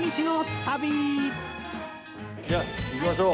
じゃあ行きましょう。